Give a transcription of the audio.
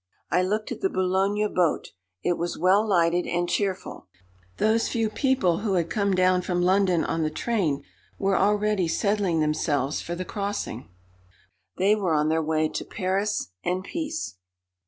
"I looked at the Boulogne boat. It was well lighted and cheerful. Those few people who had come down from London on the train were already settling themselves for the crossing. They were on their way to Paris and peace.